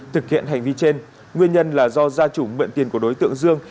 thực hiện hành vi trên nguyên nhân là do gia chủ mượn tiền của đối tượng dương